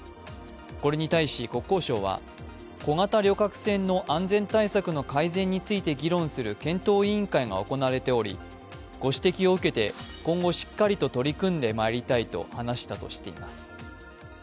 これに対し国交省は、小型旅客船の安全対策の改善について議論する検討委員会が行われておりご指摘を受けて、今後しっかりと取り組んでまいりたいと話したとしています。